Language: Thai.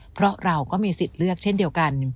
เพราะเราก็มีสิทธิ์เลือกเช่นเดียวกัน